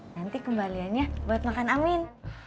nanti kembaliannya buat makan amin